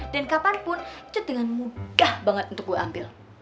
dan kapanpun itu dengan mudah banget untuk gue ambil